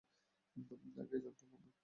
আগেই জানতাম আমি।